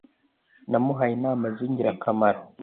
Namuhaye inama zingirakamaro.